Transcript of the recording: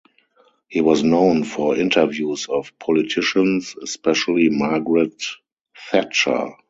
He was known for interviews of politicians, especially Margaret Thatcher.